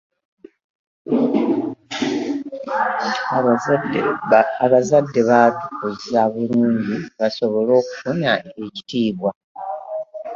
Abazadde batukuza bulungi basobole okufuna ekitiibwa.